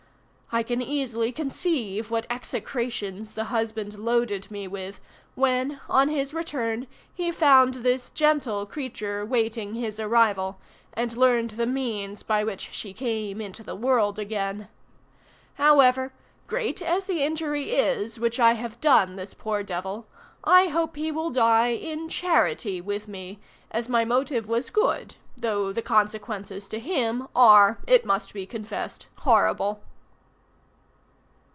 "I can easily conceive what execrations the husband loaded me with when, on his return, he found this gentle creature waiting his arrival, and learned the means by which she came into the world again. However, great as the injury is which I have done this poor devil, I hope he will die in charity with me, as my motive was good, though the consequences to him are, it must be confessed, horrible."